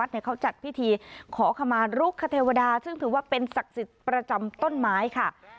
เขาจัดพิธีขอขมาลุกคเทวดาซึ่งถือว่าเป็นศักดิ์สิทธิ์ประจำต้นไม้ค่ะ